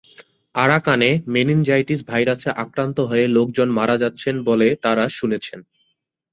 আরাকানে meningitis ভাইরাসে আক্রান্ত হয়ে লোকজন মারা যাচ্ছেন বলে তাঁরা শুনেছেন।